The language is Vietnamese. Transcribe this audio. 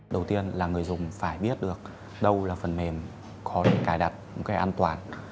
đầu tiên là người dùng phải biết được đâu là phần mềm có thể cài đặt một cách an toàn